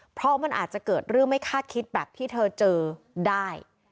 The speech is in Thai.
เพราะมันอาจจะเกิดเรื่องไม่คาดคิดแบบที่เธอเจอได้